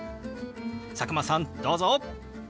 佐久間さんどうぞ！